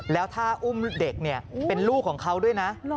แล้วถ้าอุ้มเด็กเป็นลูกของเขาด้วยนะ